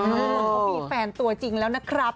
เพราะมีแฟนตัวจริงแล้วนะครับ